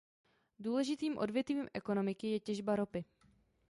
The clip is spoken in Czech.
Důležitým odvětvím ekonomiky je těžba ropy.